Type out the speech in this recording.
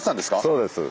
そうです。